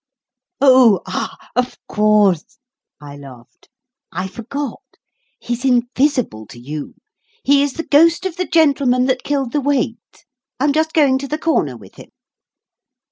"Oh, ah, of course," I laughed; "I forgot. He's invisible to you. He is the ghost of the gentleman that killed the wait. I'm just going to the corner with him."